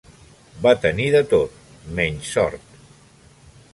Va tenir de tot, menys sort.